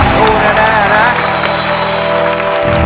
สู้แน่นะ